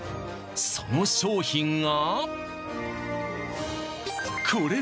その商品がこれ